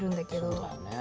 そうだよね。